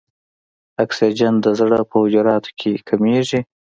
اکسیجن د زړه په حجراتو کې کمیږي.